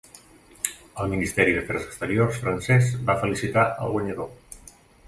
El Ministre d'afers exteriors francès va felicitar el guanyador.